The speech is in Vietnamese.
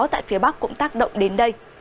tại phía bắc cũng tác động đến đây